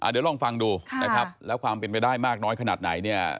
เดี๋ยวลองฟังดูนะครับแล้วความเป็นไปได้มากน้อยขนาดไหนเนี่ย